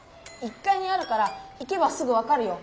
１かいにあるから行けばすぐ分かるよ。